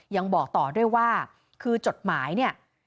ยังบอกต่อด้วยว่าคือจดหมายเนี่ย